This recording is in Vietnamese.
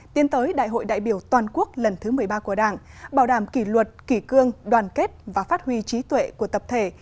tiến tới đại hội đại biểu toàn quốc lần thứ một mươi ba của đảng bảo đảm kỷ luật kỷ cương đoàn kết và phát huy trí tuệ của tập thể